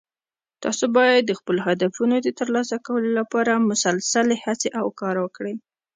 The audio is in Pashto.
تاسو باید د خپلو هدفونو د ترلاسه کولو لپاره مسلسلي هڅې او کار وکړئ